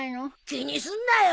気にすんなよ！